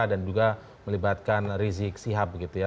dan juga melibatkan rizieq sihab gitu ya